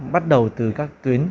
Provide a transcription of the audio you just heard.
bắt đầu từ các tuyến